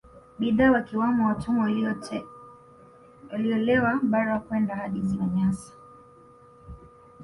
Bidhaa wakiwamo watumwa walitolewa bara kwenda hadi Ziwa Nyasa